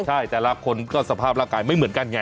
ใช่แต่ละคนก็สภาพร่างกายไม่เหมือนกันไง